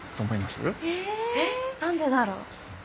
え何でだろう？